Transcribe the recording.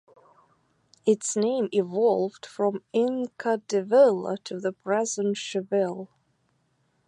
Its name evolved from Inchadivilla to the present Chaville.